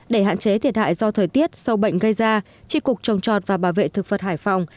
để hạn chế thiệt hại do thời tiết sâu bệnh gây ra tri cục trồng trọt và bà vệ thực phật hải phòng